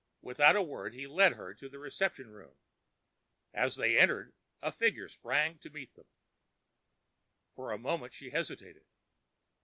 Without a word, he led her to a reception room. As they entered, a figure sprang to meet them. For a moment she hesitated.